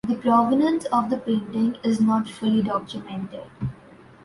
The provenance of the painting is not fully documented.